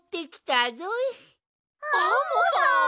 アンモさん！？